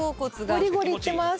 ゴリゴリいってます。